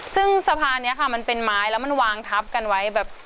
ซึ่งสะพานนี้ค่ะมันเป็นไม้แล้วมันวางทับกันไว้แบบ